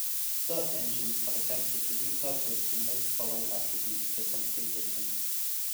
Search engines have attempted to repurpose the nofollow attribute for something different.